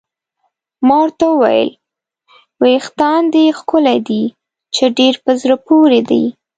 ما ورته وویل: وریښتان دې ښکلي دي، چې ډېر په زړه پورې دي.